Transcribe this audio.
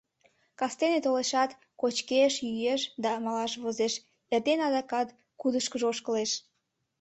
Кастене толешат, кочкеш-йӱэш да малаш возеш, эрдене адакат кудышкыжо ошкылеш.